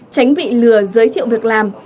tránh bị lừa giới thiệu việc làm